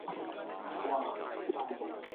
天使報佳音